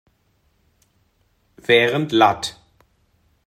Während lat.